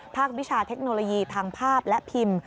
วิชาเทคโนโลยีทางภาพและพิมพ์